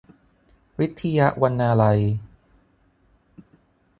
ฤทธิยะวรรณาลัย